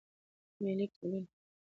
مېلې د ټولني د فرهنګي یووالي نخښه ده.